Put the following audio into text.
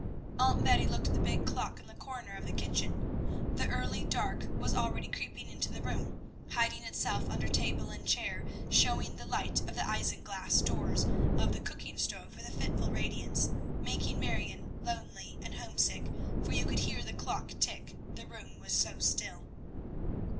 Aunt Betty looked at the big clock in the corner of the kitchen. The early dark was already creeping into the room, hiding itself under table and chair, showing the light of the isinglass doors of the cooking stove with a fitful radiance, making Marion lonely and homesick, for you could hear the clock tick, the room was so still.